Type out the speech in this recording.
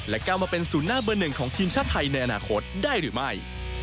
ก้าวมาเป็นศูนย์หน้าเบอร์หนึ่งของทีมชาติไทยในอนาคตได้หรือไม่